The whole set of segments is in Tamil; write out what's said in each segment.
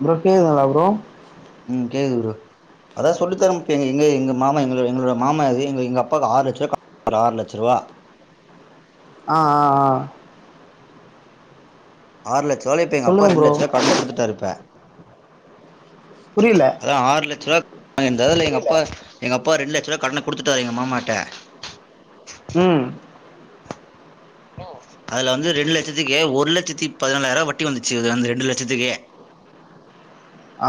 ப்ரோ கேக்குதுங்ளா ப்ரோ ம் கேக்குது ப்ரோ அதா சொல்லி தரம்ப்பு எங்க எங்க மாமா எங்க எங்களோட மாமா அது எங்க எங்க அப்பாக்கு ஆறு லட்சருவா க ஒரு ஆறுலட்சருவா அ அ அ‌ ஆறு லட்சருவால்ல இப்ப எங்க அப்பா சொல்லுங்க ரெண்டு ப்ரோ லட்சருவா கட்ன குடுத்துட்டாரு இப்ப புரியல அதா ஆறு லட்சருவா அ இந்தர்ல எங்க அப்பா எங்க அப்பா ரெண்டு லட்சருவா கடன குடுத்துட்டாரு எங்க மாமாட்ட ம் ம் அதுல வந்து ரெண்டு லச்சத்துக்கே ஒரு லச்சத்தி பதினாலாயிரவா வட்டி வந்துச்சி அந்த ரெண்டு லடச்சத்துக்கே [inaudible] அ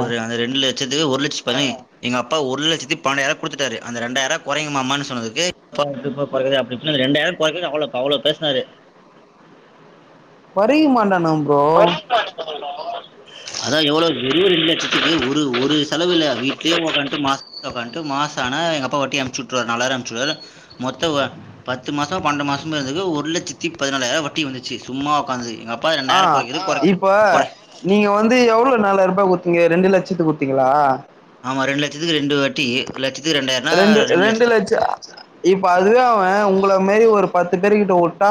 ஒரு அந்த ரெண்டுல சதுக்கு ஒரு லட்ச பதனே எங்க அப்பா ஒரு லட்சத்தி பனன்டாயிரா குடுத்துட்டாரு அந்த டெண்டாயிரா கொறைங்க மாமானு சொன்னதுக்கு ஹ ஹ இப் ப குறக்குது அப்படி [unintelligible] அப்டி இப்டின்னாரு ரெண்டாயிரோ கொறைக்கேல அவ்ளோ அவ்ளோ பேஸ்னாரு கொறயுமாட்டாணா ப்ரோ [unintelligible] அதா எவ்வளவு வெரியு ரெண்டு லச்சத்துக்கு ஒரு ஒரு செலவுல்ல வீட்யே ஒக்கான்ட்டு மாசத்த ஒக்கான்ட்டு மாஸ் ஆன எங்க அப்பா வட்டி அம்ச்சி வுட்டுவாரு நலாயிரோ அம்ச்சி வுடுவாரு மொத்த அ பத்து மாசோ பன்னெண்டு மாசமோ இருந்தது ஒரு லட்ச் சித்திக் பதினாலாயிரவா வட்டி வந்துச்சி சும்மா ஒக்காந்தது எங்க அப் அ இப்ப நீங்க வந்து எவ்ளோ நாலாயிருபா குத்தீங்க ரெண்டுலட்சத்துக் குத்தீங்ளா ஆமா ரெண்டு லட்சத்துக்கு ரெண்டு வாட்டி லட்ச் ரெண்டு ரெண்டு லட்ச அ இப்ப அதுவே அவ உங்கள மேரி ஒரு பத்து பேரு கிட்ட ஒட் றா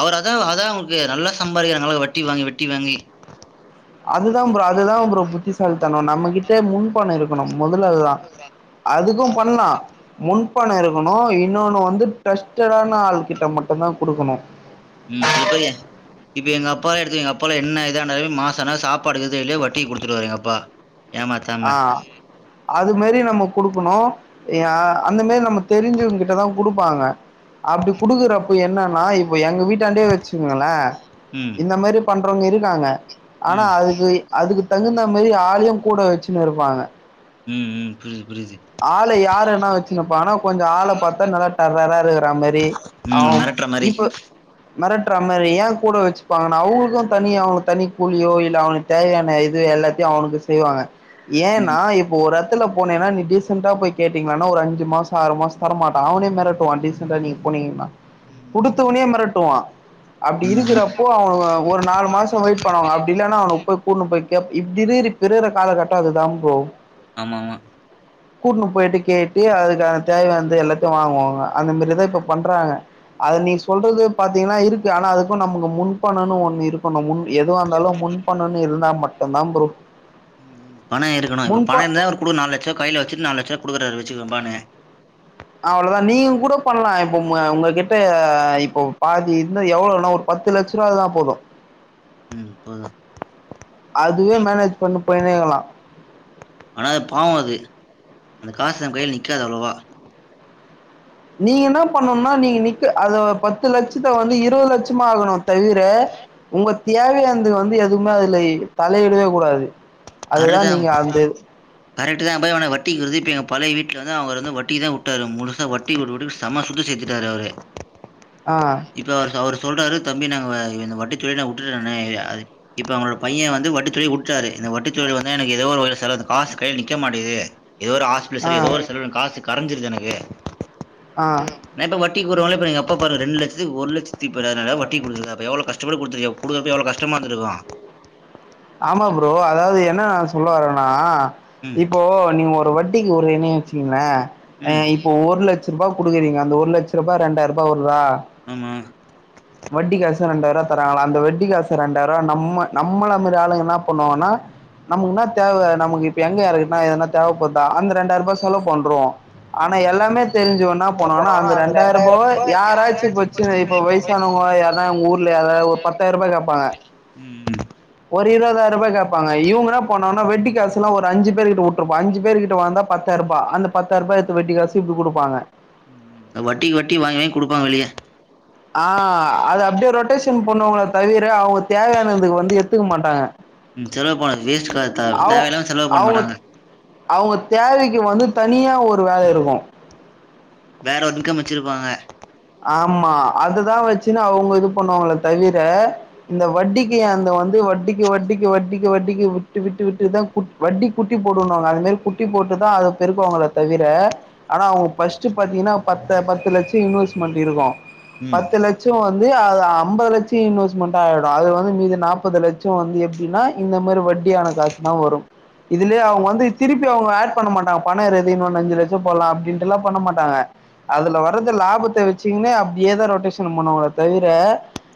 அவர் அதா அதா கேக்குற நல்லா சம்பாதிக்கிறாங்க வட்டி வாங்கி வட்டி வாங்கி அதுதா ப்ரோ அதுதா ப்ரோ புத்திசாலிதனோ நம்மகிட்ட முன்பணோ இருக்கணு முதல்ல அதுதா அதுக்கு பண்லா முன்பணோ இருக்கணு இன்னொன்னு வந்து ட்ரஸ்டடான ஆள்கிட்ட மட்டுந்தா குடுக்கணு ம் சிலப்பேரு எ இப்ப எங்கப்பா எடுத்துக்க எங்க அப்பாலா என்ன இது ஆனாலு மாசனா சாப்பாடுக்கு இருக்குதோ இல்லியோ வட்டிக்கு குடுத்துடுவாரு எங்க அப்பா ஏமாத்தாம ஆ அது மேரி நம்ம குடுக்கணு ஏ அந்த மேரி நம்ம தெரிஞ்சவங்கிட்டதா குடுப்பாங்க அப்டி குடுக்கற அப் இப்ப என்னன்னா இப்ப எங்க வீட்டாண்டேயே எச்சிக்கங்களே ம் இந்த மாரி பண்றவங்க இருக்காங்க ஆனா ம் அதுக்கு அதுக்கு தகுந்த மேரி ஆளையு கூட வெச்சின்னு இருப்பாங்க ம் ம் புரிது ஆள யாருன்னா வெச்சின்னுப்பானா கொஞ்சோ ஆள பாத்தா நல்லா டேரரா இருக்குற மேரி அவுங் மெட்ற மாரி மெரட்ற மாரி ஏ கூட வெச்சிப்பாங்கன்னா அவுங்களுக்கு தனி அவுனு தனி கூலியோ இல்ல அவுனுக் தேவயான இது எல்லாத்தயு அவனுக்கு செய்வாங்க ம் ஏன்னா இப்ப ஒரு எட்த்துல போனேன்னா நீ டீஸ் செண்டா போய் கேட்டீங்னானா ஒரு ஐஞ்சி மாசோ ஆறு மாசோ தர மாட்ட அவனையே மெரட்டுவா டிசெண்டா நிங் போனீங்கின்னா ம் குடுத்தவுனியோ மெரட்டுவா அப்டி ம் இருக்குறப்போ அவனுங்க ஒரு நாலு மாசோ வெயிட் பண்ணுவாங்க அப்டி இல்லன்னா அவன போய்க் கூட்னு போய் கேப் இப்டி இருக்குது இப்ப இருக்குற காலகட்டோ அதுதா ப்ரோ ஆமாமா கூட்னு போயிட்டு கேட்டு அதுக்கான தேவையான்த எல்லாத்த வாங்குவாங்க அந்த மேர்லதா இப்ப பண்றாங்க அது நீ சொல்றது பாத்தீங்கன்னா இருக்கு ஆனா அதுக்கு நமக்கு முன்பணோன்னு ஒண்ணு இருக்கனு முன் எதுவாந்தாலு முன் பணோன்னு இருந்தா மட்டுந்தா ப்ரோ பணோ இருக்கணு இப்போ பணோ முன்ப இருந்தா ஒரு குழு நாலு லட்சோ கையில வ ச்சுட்டு நாலு லட்ச குடுக்குறாரு வச்சுக்கபானு அவ்ளோதா நீங்க கூட பண்லா இப்ப ம் உங்ககிட்ட இப்ப பாதி இன்னு எவ்வளவுனா ஒரு பத் பத்து லட்ச ரூவா இருந்தா போது ம் போது அதுவே மேனேஜ் பண்ணு போய்னேருக்கலா ஆனா அது பாவோ அது அந்த காசு நம் கைல நிக்காது அவ்ளவா நீங்க என்ன பண்ணுனா நீங்க நிக்க அத பத்து லட்சத்த வந்து இருவது லட்ச மாக்கணு தவிர உங்க தேவையானந்த வந்து எதுவுமே அதுல தலையிடவே கூடாது அதுதான் கரக்ட்தா நீங்க அந்த கரெக்ட்தா பா ஆனா வட்டிக்கு விட்றது எங்க பழைய வீட் ட்டுலருந்து அவர் வந்து வட்டிக்குதா விட்டாரு முழுசா வட்டிக்கு விட்டுட்டு செம சொத்து சேத்துட்டாரு அவரு ஆ இப்ப அவரு அவர் சொல்றாரு தம்பி நா இந்த வட்டி தொழிலே உட்டுட்ட நானு இப்ப அவுங்களோட பைய வந்து வட்டி தொழில் உட்டாரு இந்த வட்டித் தொழில வந்து எனக்கு எதோ ஒரு வகைல செலவு இந்த காசு கையில நிக்க மாட்டிங்குது எதோ ஒரு ஆ ஹாஸ்பிட்டல் எதோ ஒரு செலவுல காசு கரைஞ்சிருது எனக்கு ஆ நா இப்ப வட்டிக் இப்ப ஒருவேல இப்ப எங்க அப்பா பாரு ரெண்டு லட்சத்துக்கு ஒரு லட்சத்தி பதினாறாயிரூவா வட்டிக்கு குடுத்துருக்காரு அப்ப எவ்ளோ கஷ்டப்பட்டு குடுத்துருக்கு குடுக்குறப்ப எவ்ளோ கஷ்டமா இரு தருவா ஆமா ப்ரோ அதாவது என்ன நா சொல்ல வரேன்னா ம் இப்போ நீங்க ஒரு வட்டிக் உட்றேனே வச்சுக்கோங்களே ம் இப்ப ஒரு லட்ச ரூபா குடுக்குறீங்க அந்த ஒரு லட்ச ரூபா ரெண்டாய ரூபா ரூவா ஆமா வட்டி காசு ரெண்டாயிர தராங்களா அந்த வட்டி காசு ரெண்டாயிர ரூவா நம்ம நம்மள மாரி ஆளுங்க என்ன பண்ணுவாங்கன்னா நமக்குன்னா தேவை நமக்கு இப்ப எங்க யாருக்குன்னா எதனா தேவைப்படுதா அந்த ரெண்டாயிர ரூபா செலவு பண்ருவோ ஆனா ம் எல்லாமே தெரிஞ்சவ என்ன பண்ணுவான்னா அந்த ரெண்டாயிர ரூபாவ யாராச்சு இப்ப வச்சிருக்க இப்ப வயசான அவுங்கள யாருனா உங்க ஊர்ல யாராவது ஒரு பத்தாயிர ரூபா கேப்பாங்க ம் ம் ஒரு இருவதாயிர ரூபா கேப்பாங்க இவுங்க என்ன பண்ணுவாங்கன்னா வட்டிக்காசுல்லா ஒரு அஞ்சு பேர்கிட்ட உட்டுருப்பா அஞ்சு பேர்கிட்ட வந்தா பத் பத்தாய ரூபா அந்த பத்தாய ரூபா எடுத்து வட்டி காச இப்டி குடுப்பாங்க ம் வட்டிக்கு வட்டி வாங்கி வாங்கி குடுப்பாங்க வெளிய ஆ அத அப்டியே ரொட்டேஷன் பண்ணவாங்களே தவிர அவுங்க தேவையானதுக்கு வந்து எடுத்துக்க மாட்டாங்க ம் செலவு போனது வேஸ்ட் காஸ் த தேவையில்லாம செலவு பண்ண மாட்டாங்க அவுங்க தேவைக்கு வந்து தனியா ஒரு வேலை இருக்கும் வேற ஒரு இன்கம் வெச்சிருப்பாங்க ஆமா அதுதா வெச்சுன்னு அவுங்க இது பண்ணுவாங்களே தவிர இந்த வட்டிக்கு அந்த வந்து வட்டிக்கு வட்டிக்கு வட்டிக்கு வட்டிக்கு விட்டு விட்டு விட்டுதா குட் வட்டி குட்டி போடுனுவாங்க அதுமாரி குட்டி போட்டுதா தா அத பெருக்குவாங்களே தவிர ஆனா அவுங்க ஃபஸ்ட் பாத்தீங்கன்னா பத்து பத்து லட்ச இன்வெஸ் மட்டிருக்கோ ம் பத்து லட்சோ வந் ந்து அது அம்பது லட்சோ இன்வெஸ்ட்மெண்ட் ஆயிடு அது வந்து மீது நாப்பது லட்சோ வந்து எப்டின்னா இந்த மாரி வட் ட்டியான காசுனா வரு இதுலயே ம் அவுங்க வந்து திருப்பி அவுங்க ஆட் பண்ண மாட்டாங்க பண இருக்குது இன்னொனு அஞ்சு லட்சம் போடலா அப்டின்டுல்லா பண்ண மாட்டாங்க ம் அதுல வர்றது லாபத்தை வச்சீக்ன்னு அப்டியேதா ரொட்டேஷன் பண்ணுவாங்களே தவிர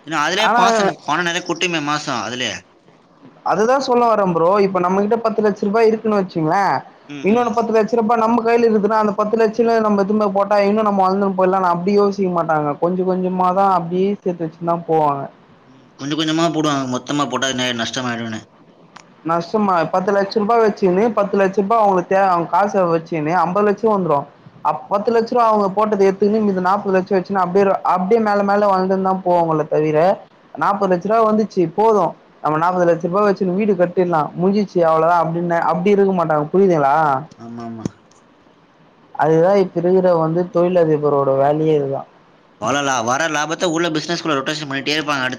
ஏன்னா அதுலயே ஆனா பாச பண நெறய கொட்டுமே மாசொ அதுலயே அதுதா சொல்ல வரே ப்ரோ இப்ப நம்ம கிட்ட பத்து லட்ச ரூபா இருக்குன்னு வச்சு கங்களே ம் ம் இன்னொன்னு பத்துலட்ச ரூபா நம்மக் கையில இருக்குதுன்னா அந்த பத்து லட்ச ரூவாய நம்ம எடுத்துன்னு போயி போட்டா இன்னு நம்ம வழந்துட்டு போய்டலானு அப்டி யோசிக்க மாட்டாங்க கொஞ்ச கொஞ்சமா அதா அப்டியே சேத்து வச்சுனுந்தா போவாங்க கொஞ்சோ கொஞ்சமா போடுவாங்க மொத்தமா போட்டா இது நஷ்டமாயிடூன்னு நஷ்டமா பத்து லட்ச ரூபா வச்சுனு பத்து லட்ச ரூபா அவுங்களுக்கு தேவ அவுங்க காச வச்சுனு அம்பது லட்சரூவா வந்துரு அப் பத்து லட்ச ரூவா அவுங்க போட்டது எடுத்துன்னு மித நாப்பது லட்சோ வச்சின்னு அப்டியே அப்டியே மேல மேல வளந்துனு தா போவோ உள்ள தவிர நாப்பது லட்ச ரூவா வந்துச்சு போது நம்ம நாப்பது லட்ச ரூபா வெச்சுனு வீடு கட் தின்னா முட்ஞ்சுச்சு அவ்ளோதா அப்டின்னு அப்டி இருக்க மாட்டாங்க புரியுதுங்ளா ஆமாம்மா அதுதா இப்ப இருக்கிற வந்து தொழிலதிபரோட வேலையே இதுதா வலலா வர லாபத்த உள்ள பிஸ்னஸ்க்குள்ள ரொட்டேஷன் பண்ணிட்டே இருப்பாங்க அடுத்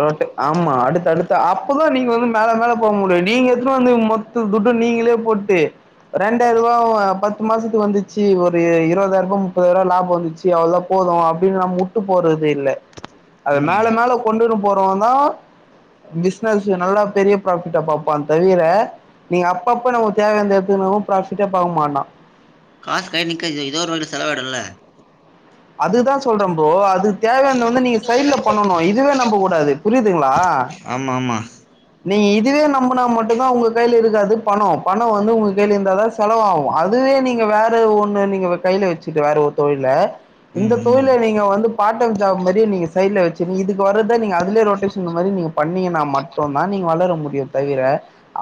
ரொட்டு ஆமா அடுத் தடுத்தா அப்பதா நீங்க வந்து மேல மேல போக முடியு நீங்க எட்த்துனு வந்து மொத்த துட்டு நீங்களே போட்டு ரெண்டாயிர்ரூவாவ பத் த்து மாசத்துக்கு வந்துச்சு ஒரு இருவதாயிர்ரூபா முப்பதாயிர்ரூபா லாப வந்துச்சு அவ்ளதா போது அப்டின்னு நம்ம வுட்டு போற தில்ல அத மேல ம் மேல கொண்டுன்னு போறவந்தா பிஸ்னஸு நல்லா பெரிய ப்ராஃபிட்டா பாப்பா தவிர நீங்க அப்பப்ப நமக்கு தேவயானத எட்த்துக்குனாலு ப்ராஃபிட்டே பாக்க மாட்டா காசு கைல நிக்காது எதோ எதோ ஒரு பக்கட்டு செலவாய்டுல்ல அதுதா சொல்றே ப்ரோ அதுக்கு தேவையானத வந்து நீங்க சைட்ல பண்ணனு இதுல நம்ப கூடாது புரியுதுங்ளா ஆமா ஆமா நீங்க இதுவே நம்புனா மட்டுந்தா உங்க கைல இருக்காது பணோ பணோ வந்து உங்க கைல இருந்தா தா செலவாகு அதுவே யே நீங்க வேற ஒன்னு நீங்க இப்ப கைல வச்சுட்டு வேற ஒரு தொழில இந்த ம் ம் தொழில நீங்க வந்து பார்ட் டைம் ஜாப் மாரியே நீங்க சைட்ல வச்சுருங் இதுக்கு வரது சார் நீங்க அதுலே ரொட்டேஷன் இந்த மாரி நீங்க பண்ணீங்கனா மட் நீங்க வளர முடியு தவிர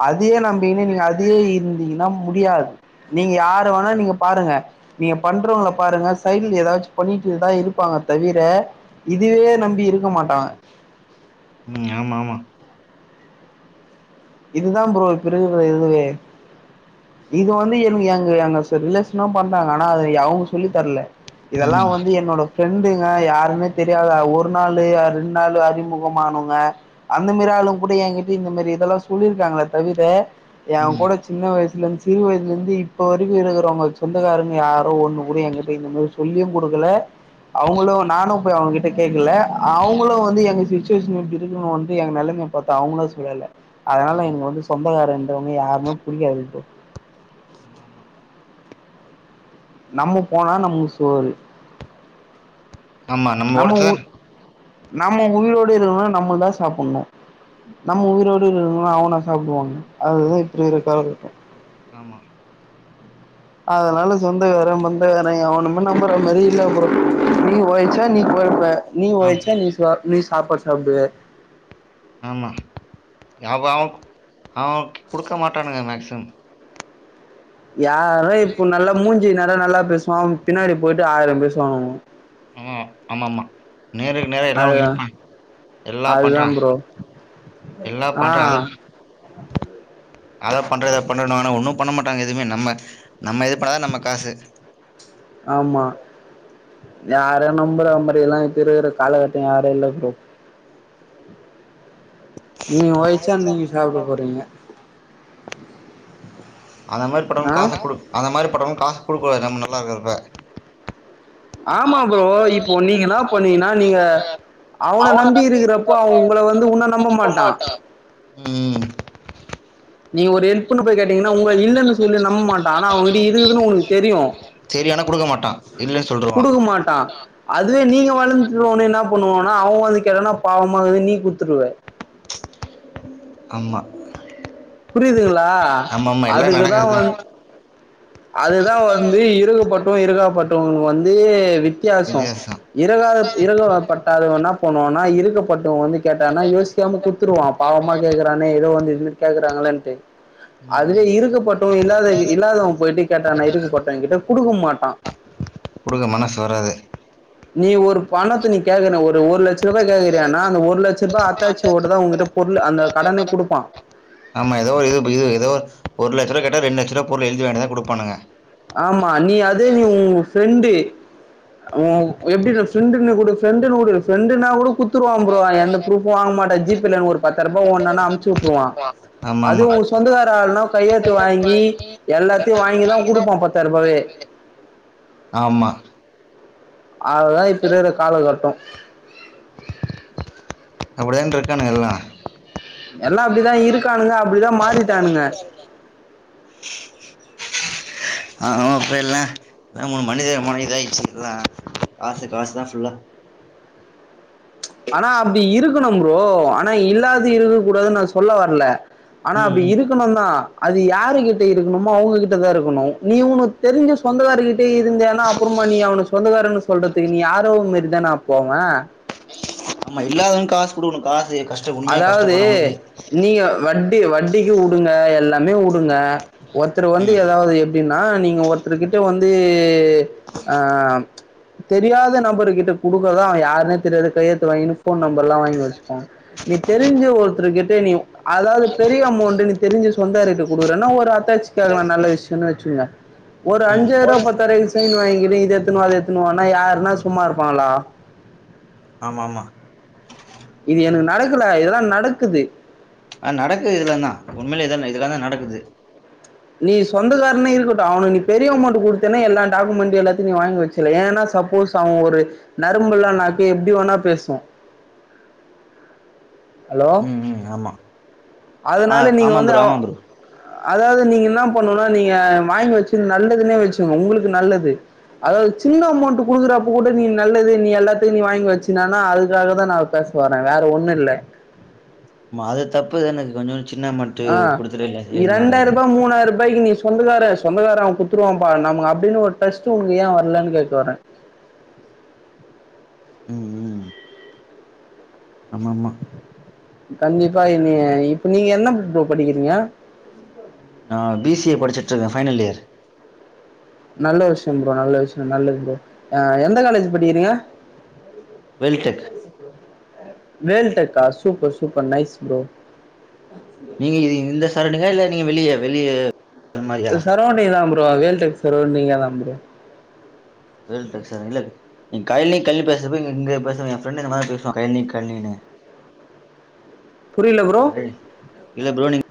அதையே நம்பிங்கினு நீங்க அதையே இருந்தீங்கனா முடியாது நீங்க யாரு வேணா நீங்க பாருங்க நீங்க பண்றவ்ங்கள பாருங்க சைடில் எதாச்சு பண்ணிட்டு தா இருப்பாங்க தவிர இதுவே நம்பி இருக்க மாட்டா ம் ஆமாம்மா இதுதா ப்ரோ இப்ப இருக்கிற இதுவே இது வந்து என் எங்க எங்க சார் ரிலேஷனு பண்றாங்க ஆனா அது அவ்ங்க சொல்லி தர்ல இதெல்லா ம் வந்து என்னோட ஃப்ரெண்டுங்க யாருமே தெரியாதா ஒரு நாளு அ ரெண்டு நாளு அறிமுகமானவ்ங்க அந்த மாரிதா ஆளுங் கூட ஏங்கிட்ட இந்த மாரி இதெல்லா சொல்லிருக்காங்களே தவிர ம் ஏங்க்கூட சின்ன வயசுலருந்து சிறு வயதுலருந்து இப்ப வரைக்கு இருக்கிறவ்ங்க சொந்தக்காரங்க யாரோ ஒன்னு கூட எங்கிட்ட இந்த மாரி சொல்லியு குடுக்கல அவுங்களு நானு போய் அவ்ங்க கிட்ட கேக்கல அவ்ங்களு வந்து எங்க சுச்சுவேஷன் எப்டி இருக்குனு வந்து எங்க நெலம் மய பாத்து அவ்ங்களு சொல்லல அதனால எனக்கு வந்து சொந்தக்காரன்றவ்ங்க யாருமே புடிக்காது ப்ரோ ஆமா ஆமா நம்ம போனா நமக்கு சோறு ஆமா நம்ம ஓழச்சு நம்ம உயிரோடு இருக்கனுனா நம்மள் தா சாப்புட்ணு நம்ம உயிரோடு இருக்கனுனா அவனா சாப்டுவானுங்க அதுதா இப்டி இருக்கரவ்ங்களுக்கு ஆமா அதனால சொந்தகாரே பந்தகாரே எவனுமே நம்புற மாரி இல்ல ப்ரோ நீ ஓழச்சா நீ போ போழப்ப நீ ஆம் ஒழச்சா நீ சா நீ சாப்பாடு சாப்டுவ ஆமா யாவ் ஆவ் அவ குடுக்க மாட்டானுங்க மேக்சிம் யாரோ இப்போ நல்லா மூஞ்சி நேர நல்லா பேசுவா பின்னாடி போயிட்டு ஆயிர பேசுவானுங்க ஆமாம்மா நேருக்கு நேர எல்லா வந்து அதுதா நிப்பா எல்லா அதுதா பண்றா ப்ரோ எல்லா ஆ பண்றா அத அத பண்றே இத பண்றேணுவா ஆனா ஒன்னு பண்ண மாட்டாங்க எதுமே நம்ம நம்ம இது பண்ணாதா நம்மக் காசு யாரயு நம்புற மாரிலா இப்ப இருக்குற காலகட்ட யாரு இல்ல ப்ரோ நீங்க ஓழச்சா நீங்க சாப்ட போறீங்க அந்த மாரி பட்டவ்ங்களுக் ஆ காச குடுக் அந்த மாரி பட்டவ்ங்களுக்கு காசு குடுக்ககூடாது நம்ம நல்லா இருக்கிறப்ப ஆமா ப்ரோ இப்போ நீங்க என்னா பண்ணீங்னா நீங்க அவன நம்பி இருக்கிறப்போ அவ உங்கள வந்து உன்ன நம்ப மாட்டா ம் நீ ஒரு எல்ப் புன்னு போய் கேட்டீங்கன்னா உங்க இல்லன்னு சொல்லு நம்ப மாட்டா ஆனா அவகிட்ட இருக்குதுன்னு உங்களுக்கு தெரியு ட இல்ல சொ குடுக்க மாட்டா அதுவே நீங்க வளர்ந்துன என்ன பண்ணுவான்னா அவ வந்து கேட்டான்னா பாவ மாதிரி நீ குடுத்துருவ ஆமா புரியுதுங்களா ஆமா ஆமா எல்லா அதுக்குதா நடக்கறதா வந் அதுதா வந்து இருக்கப்பட்டவோ இருக்காப்பட்டவோ வந் அப்டே வித்தியாசோ இறகாத இறகப்பட்டாது வோண்ணா என்னா பண்ணுவானா இருக்க பட்டவங்க வந்து கேட்டாங்கன்னா யோசிக்காம குத்துருவோ பாவமா கேக்குறானே ஏதோ வந்து இது கேக்குறாங்களேன்ட்டு ம் அதுவே ம் இருக்கப்பட்டவ இல்லாத இல்லாதவன் போயிட்டு கேட்டனா இருக்கப்பட்டவன் கிட்ட குடுக்க மாட்டா குடுக்க மனசு வராது நீ ஒரு பணத்த நீ கேக்கறனே ஒரு ஒரு லட்ச ருபா கேக்குறயின்னா அந்த ஒரு லட்ச ரூபாய் அத்தாச்சி ஓட தா உங்கிட்ட பொருள் அந்த கடனு குடுப்பா த்துருவா கேட்டா ரெண்டு லட்ச ருவா பொருள எழுதி வாங்கிட்டு தா குடுப்பானுங்க ஆமா நீ அதே நீ உன் ஃப்ரெண்டு ஒ எப்டிடா ஃப்ரெண்ட்க்னா குடு பிரெண்ட்னு உடு பிரெண்ட்ன்னா கூட குத்துருவா ப்ரோ அவ எந்த ப்ரூஃப்வு வாங்க மாட்ட ஜிப்பேல எனக்கு ஒரு பத்தாயிர ருபா வோணன்னா அம்ச்சு வுட்டுருவா ஆமா அது ஆமா உங்க சொந்தக்கார ஆளுன்னா கையெழுத்து வாங்கி எல்லாத்தியு வாங்கி தா குடுப்போ பத்தாயிர ருபாவே ஆமா அதுதா இப்ப இருக்குற காலகட்டோ அப்டிதான் இருக்கானுங்க எல்லா எல்லா அப்டிதா இருக்கானுங்க அப்டிதா மாறிட்டானுங்க ஆமாப்பா எல்லா ஆமா மனித மனோ இதாயிடிச்சி காசு காசு தா ஃபுல்லா ஆனா அப்டி இருக்கணு ப்ரோ ஆனா இல்லாது இருக்க கூடாதுன்னு நா சொல்ல வரல ஆனா ம் அப்டி ம் இருக்கணு தா அது யாரு கிட்ட இருக்கணுமோ அவுங்ககிட்ட தா இருக்கணு நீ உனக் தெரிஞ்ச சொந்தகாரங்ககிட்ட இருந்தயின்னா அப்றோ இப்ப நீ அவன சொந்தக்காரன்னு சொல்றதுக்கு நீ யாரோ ஒரு மாறி தான அப்போ அவ ஆமா இல்லாதவனுக்கு காசு குடுக்கணு காசு கஷ்ட உண்மையா அதாவது கஷ்டப்படுறவங்களுக்கு நீங்க வட் நீங்க வட்டிக்கு உடுங்க எல்லாமே உடுங்க ஒருத்தர வந்து ம் ஏதாவது எப்டின்னா நீங்க ஒருத்தரு கிட் வந்து அஹ் தெரியாத நபர் கிட்ட குடுக்கதா அவ யாருனே தெரியாது கையெழுத்து வாங்கினு ஃபோன் நம்பர் எல்லா வாங்கி வச்சுப்போ நீ தெரிஞ்ச ஒருத்தரு கிட்ட நீ அதாவது பெரிய அமௌண்ட்ன்னு தெரிஞ்சி சொந்தாரட்ட குடுக்குறனா ஒரு அத்தாச்சி கேக்கலா நல்ல விஷயம்ன்னு வச்சுக்குங்க ஒரு ம் அஞ்சாயிருவா பத்தாயிர ருவாய்க்கு சைன் வாங்கின்னு இத எடுத்துனு வா அத எடுத்துனு வான்னா யாருனா சும்மா இருப்பாங்களா ஆமா ஆமா இது எனக்கு நடக்கல இதெல்லா நடக்குது ஆ நடக்குது இதுல தா உண்மையிலயே இத இதுல தா நடக்குது நீ சொந்தக்காரனே இருக்கட்டு அவனுக்கு நீ பெரிய அமௌண்ட் குடுத்தன்னா எல்லா டாக்குமெண்ட்டையு எல்லாத்தையு நீ வாங்கி வச்சுரு ஏன்னா சப்போஸ் அவ ஒரு நரம்பு பில்லா நாக்கு எப்டி வேணா பேசு ஹலோ ம் ம் ஆமா ஆ அதனால நீங்க ஆமா வந்து ப்ரோ அவ ஆமா ப்ரோ அதாவது நீங்க என்ன பண்ணும்னா நீங்க வாங்கி வச்சது நல்லதுன்னே வச்சுங்க உங்களுக்கு நல்லது அதாவது சின்ன அமௌண்ட் குடுக்கறப்ப கூட நீ நல்லது நீ எல்லாத்தையு நீ வாங்கி வச்சுநானா அதுக்காக தா நான் பேச வர வேற ஒண்ணு இல்ல ம்மா அது தப்புதான கொஞ்சோனு ஆஹ் நீ ரெண்டாயிருபா மூணாயிருபாய்க்கு நீ சொந்தக்கார சொந்தகார அவ குத்துருவாம்ப்பா நமுக் அப்டினு ஒரு டஸ்ட்டு உனுக் ஏ வர்லன்னு கேக்கு வரே ம் ம் ஆமா ஆமா கண்டிப்பா என்னிய இப்ப நீங்க என்ன புக் பா படிக்கிறீங்க நா பி சி ஏ படிச்சிட்ருக்க ஃபைனல் இயர் நல்ல விஷ்யம் ப்ரோ நல்ல விஷ்ய நல்லது ப்ரோ அ எந்த காலேஜ் படிக்கிறிங்க வேல்டெக் வேல்டெக்கா சூப்பர் சூப்பர் நைஸ் ப்ரோ நீங்க இது இந்த சரோண்டிங்கா இல்ல நீங்க வெளிய வெளிய அந்த மாரியா இது சரோண்டிங் தா ப்ரோ வேல்டெக் சரோண்டிங் அதா ப்ரோ வேல்டெக் சர இல்லல் நீ கைலே கல்லு பேசப்ப இங்கு இங்க பேசவ எ ஃப்ரெண்டு இந்த மாய பேஸ்வா கைனி கன்னினு புரியல ப்ரோ அ ரெடி இல்ல ப்ரோ நீங்